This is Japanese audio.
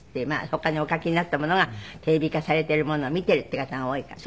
他にお書きになったものがテレビ化されているものを見てるっていう方が多いから。